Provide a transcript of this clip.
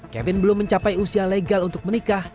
kevin belum mencapai usia legal untuk menikah